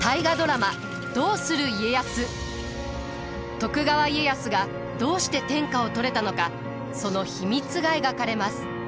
徳川家康がどうして天下を取れたのかその秘密が描かれます。